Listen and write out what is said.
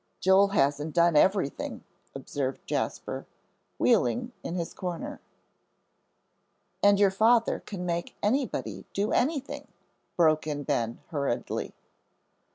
"Joel hasn't done everything," observed Jasper, wheeling in his corner. "And your father can make anybody do anything," broke in Ben, hurriedly.